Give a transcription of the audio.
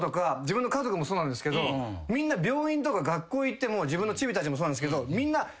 みんな病院とか学校行っても自分のちびたちもそうなんですけどみんな。